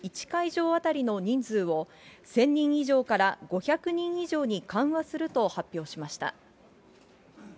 １会場当たりの人数を、１０００人以上から５００人以上に緩和すると発表しました。